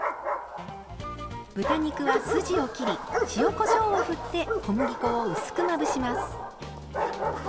豚肉は筋を切り塩こしょうを振って小麦粉を薄くまぶします。